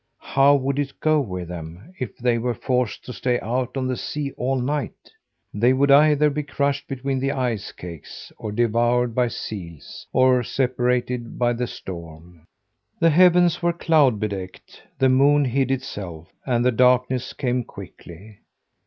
How would it go with them if they were forced to stay out on the sea all night? They would either be crushed between the ice cakes or devoured by seals or separated by the storm. The heavens were cloud bedecked, the moon hid itself, and the darkness came quickly.